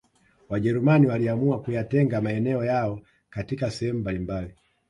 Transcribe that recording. Wajerumani waliamua kuyatenga maeneo yao katika sehemu mbalimabali